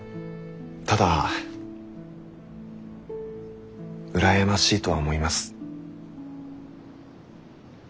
ただ羨ましいとは思います。